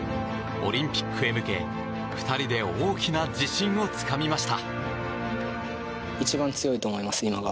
オリンピックへ向け２人で大きな自信をつかみました。